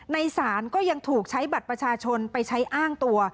ในศาลก็ยังถูกใช้บัตรประชาชนไปใช้อ้างตัว